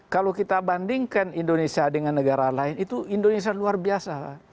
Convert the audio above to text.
kalau kita bandingkan indonesia dengan negara lain itu indonesia luar biasa